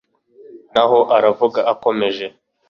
naho aravuga akomeje